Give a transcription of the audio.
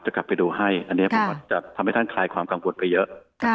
กลับไปดูให้อันนี้ประวัติจะทำให้ท่านคลายความกังวลไปเยอะ